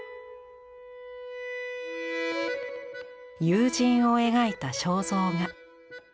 友人を描いた肖像画。